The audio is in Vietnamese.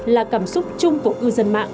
là cảm xúc chung của cư dân mạng